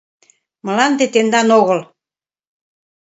— Мланде тендан огыл!